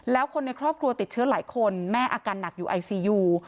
แล้วคนในครอบครัวติดเชื้อหลายคนแม่อาการหนักอยู่ไอซียู